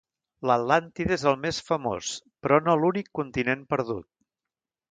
L'Atlàntida és el més famós però no l'únic continent perdut.